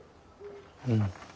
うん。